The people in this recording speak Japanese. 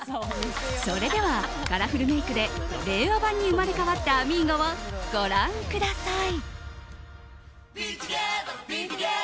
それでは、カラフルメイクで令和版に生まれ変わったあみーゴをご覧ください。